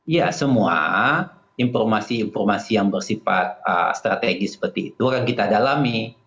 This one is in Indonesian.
ya semua informasi informasi yang bersifat strategis seperti itu akan kita dalami